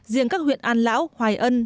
riêng các huyện an lão hoài ân